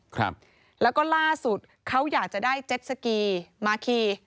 ครับแล้วก็ล่าสุดเขาอยากจะได้เจ็ดสกีมาคี